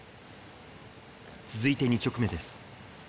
続いて２曲目です。